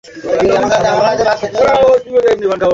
তবে তার উপর চড়াও হয়ো না।